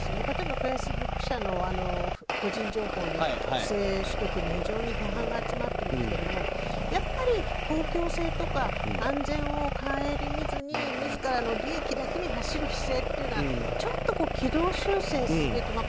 例えばフェイスブック社の個人情報の不正取得に異常に批判が集まっていますけどやっぱり公共性とか安全を顧みずに自らの利益だけに走る姿勢というのはちょっと軌道修正すべき。